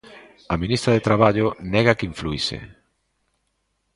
A ministra de Traballo nega que influíse.